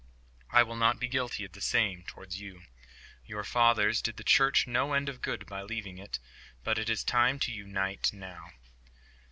I will not be guilty of the same towards you. Your fathers did the Church no end of good by leaving it. But it is time to unite now."